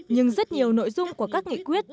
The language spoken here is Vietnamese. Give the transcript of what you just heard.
nhưng rất nhiều nội dung của các nghị quyết